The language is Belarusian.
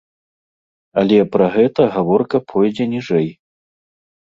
Але пра гэта гаворка пойдзе ніжэй.